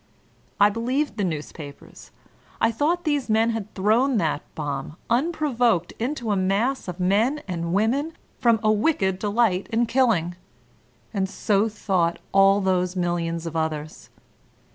I believed the newspapers. I thought these men had thrown that bomb, unprovoked, into a mass of men and women, from a wicked delight in killing. And so thought all those millions of others.